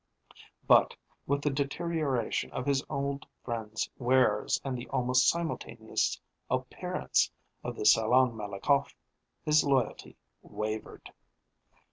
But, with the deterioration in his old friends' wares, and the almost simultaneous appearance of the Salon Malakoff, his loyalty wavered.